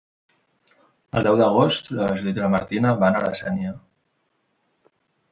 El deu d'agost na Judit i na Martina van a la Sénia.